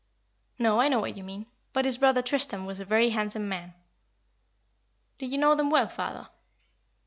"No, I know what you mean. But his brother Tristram was a very handsome man." "Did you know them well, father?"